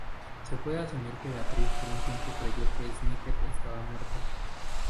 Se puede asumir que Beatrice por un tiempo creyó que Snicket estaba muerto.